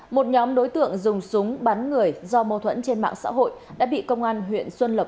một nhóm đối tượng dùng súng bắn người do mâu thuẫn trên mạng xã hội đã bị công an huyện xuân lộc